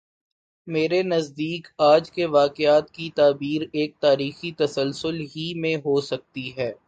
میرے نزدیک آج کے واقعات کی تعبیر ایک تاریخی تسلسل ہی میں ہو سکتی ہے۔